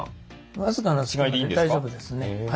僅かな隙間で大丈夫ですね。